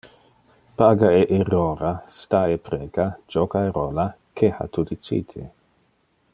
Paga e irrora, sta e preca, joca e rola, que ha tu dicite?